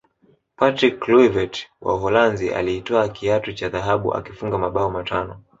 patrick kluivert wa uholanzi alitwaa kiatu cha dhahabu akifunga mabao matano